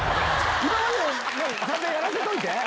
今まで散々やらせといて？